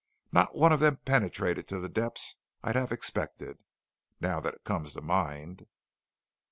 Not one of them penetrated to the depths I'd have expected, now that it comes to mind."